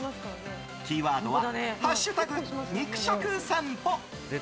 キーワードは「＃肉食さんぽ」。